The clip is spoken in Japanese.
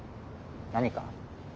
何か？